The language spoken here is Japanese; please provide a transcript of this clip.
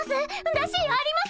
だしあります？